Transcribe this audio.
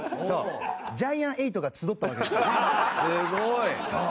すごい！